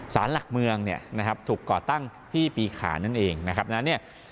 ซานหลักเมืองถูกก่อตั้งที่ปีขานที่นั่นเอง